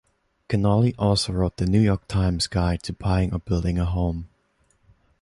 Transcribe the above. Connolly also wrote The New York Times Guide to Buying or Building a Home.